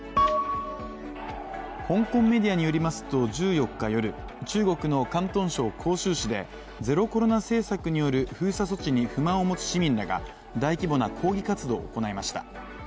香港メディアによりますと１４日夜、中国の広東省広州市でゼロコロナ政策による封鎖措置に不満を持つ市民らが大規模な抗議活動を行いました。